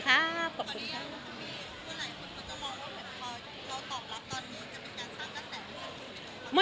พอเราตอบรับตอนนี้จะเป็นการสร้างกระแสหรือเปล่า